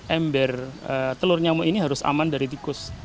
ember telur nyamuk ini harus aman dari tikus